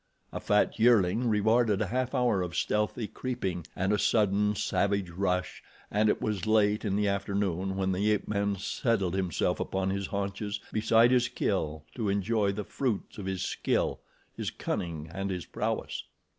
A fat yearling rewarded a half hour of stealthy creeping and a sudden, savage rush, and it was late in the afternoon when the ape man settled himself upon his haunches beside his kill to enjoy the fruits of his skill, his cunning, and his prowess.